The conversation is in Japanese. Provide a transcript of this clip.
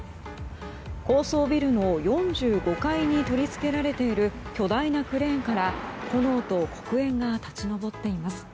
高層ビルの４５階に取り付けられている巨大なクレーンから炎と黒煙が立ち上っています。